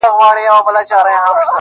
یا خوړلو فرصت درته پیدا سي